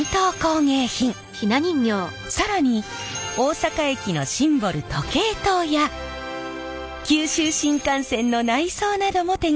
更に大阪駅のシンボル時計塔や九州新幹線の内装なども手がけているんです。